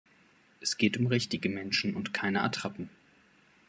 Es geht um richtige Menschen und keine Attrappen.